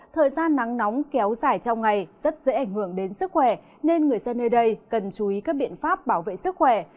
thời gian nắng nóng kéo dài trong ngày rất dễ ảnh hưởng đến sức khỏe nên người dân nơi đây cần chú ý các biện pháp bảo vệ sức khỏe